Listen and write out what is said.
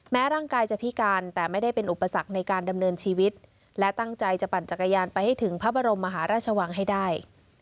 ร่างกายจะพิการแต่ไม่ได้เป็นอุปสรรคในการดำเนินชีวิตและตั้งใจจะปั่นจักรยานไปให้ถึงพระบรมมหาราชวังให้ได้